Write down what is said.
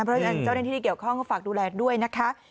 เพราะฉะนั้นเจ้าหน้าที่ที่เกี่ยวข้องก็ฝากดูแลด้วยนะคะ